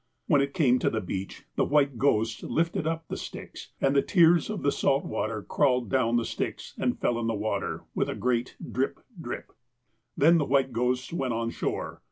*' When it came to the beach, the white ghosts lifted up the sticks, and the tears of the salt water crawled down the sticks, and fell in the water, with a great drip drip/ "Then the white ghosts went on shore.